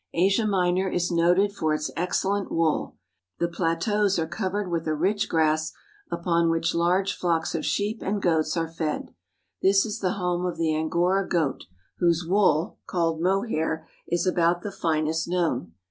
Asia Minor is noted for its excellent wool. The plat Greeks of Smyrna. 362 TRAVELS AMONG THE TURKS eaus are covered with a rich grass upon which large flocks of sheep and goats are fed. This is the home of the Angora goat, whose wool, called mohair, is about the finest known.